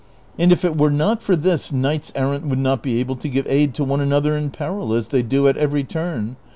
And if it were not for this, knights errant would not be able to give aid to one another in peril, as they do at every turn.